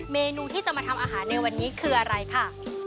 เมนูที่จะมาทำอาหารในวันนี้คืออะไรค่ะ